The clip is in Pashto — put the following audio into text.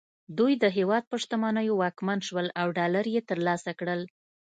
دوی د هېواد په شتمنیو واکمن شول او ډالر یې ترلاسه کړل